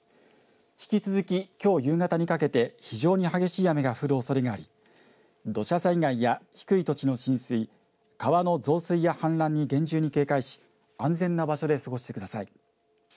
引き続き、きょう夕方にかけて非常に激しい雨が降るおそれがあり土砂災害や低い土地の浸水、川の増水や氾濫に厳重に警戒し安全な場所で過ごしてください。